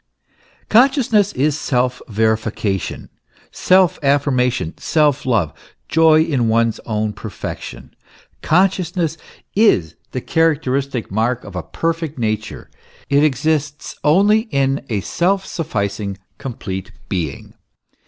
Consciousness is self verification, self affirmation, self love, joy in one's own perfection. Consciousness is the charac teristic mark of a perfect nature ; it exists only in a self suf ficing, complete being.